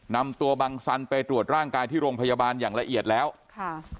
นำตัวบังสันไปตรวจร่างกายที่โรงพยาบาลอย่างละเอียดแล้วค่ะ